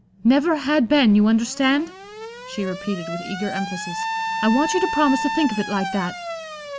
Never had been, you understand," she repeated, with eager emphasis. "I want you to promise to think of it like that."